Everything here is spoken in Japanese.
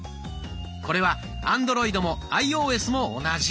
これはアンドロイドもアイオーエスも同じ。